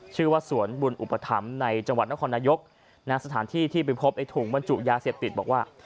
ชื่อว่าสวนบุญอุปถัมภ์ในจังหวัดนครนายกสถานที่ที่ไปพบไอ้ถุงบรรจุยาเสพติดบอกว่า